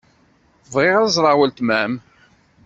Bɣiɣ ad ẓṛeɣ weltma-m.